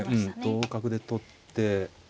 同角で取って。